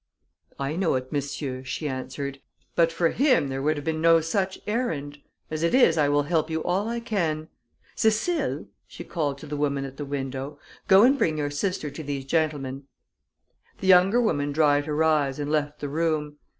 "I know it, monsieur," she answered. "But for him, there would have been no such errand. As it is, I will help you all I can. Cécile," she called to the woman at the window, "go and bring your sister to these gentlemen." The younger woman dried her eyes and left the room.